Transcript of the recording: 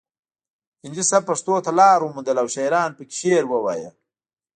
هندي سبک پښتو ته لار وموندله او شاعرانو پکې شعر وایه